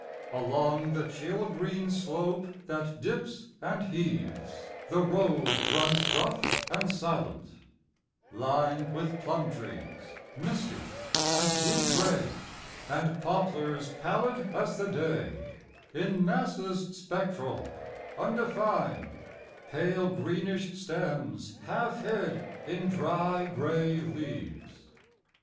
Along the chill green slope that dips and heaves The road runs rough and silent, lined With plum trees, misty and blue gray, And poplars pallid as the day, In masses spectral, undefined, Pale greenish stems half hid in dry gray leaves.